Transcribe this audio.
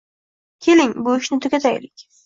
Keling, bu ishni tugataylik!